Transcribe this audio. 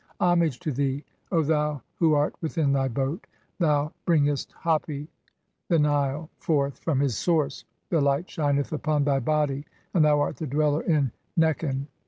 (8) "Homage to thee, O thou who art within thy boat, thou "bringest ffipi ('• e > the Nile) forth from his source ; the light "shineth upon thy body and thou art the dweller in Nekhen.